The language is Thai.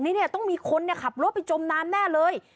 นี่ต้องมีคนขับรถไปจมน้ำแน่เลย